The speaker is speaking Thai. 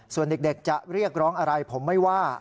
ส่วนเด็กจะเรียกร้องอะไรผมไม่ว่า